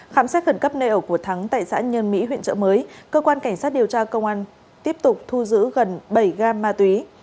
khám xét khẩn cấp nơi ở của thắng tại xã nhân mỹ huyện trợ mới cơ quan cảnh sát điều tra công an tiếp tục thu giữ gần bảy gam ma túy